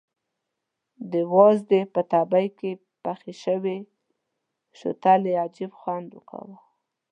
د وازدې په تبي کې پخې شوې شوتلې عجب خوند کاوه.